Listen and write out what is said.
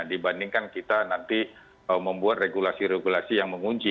dibandingkan kita nanti membuat regulasi regulasi yang mengunci